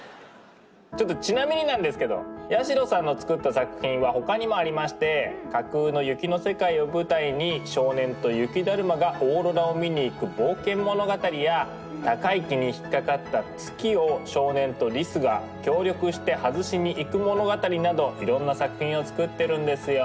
ちょっとちなみになんですけど八代さんの作った作品は他にもありまして架空の雪の世界を舞台に少年と雪だるまがオーロラを見に行く冒険物語や高い木に引っ掛かった月を少年とリスが協力して外しに行く物語などいろんな作品を作ってるんですよ。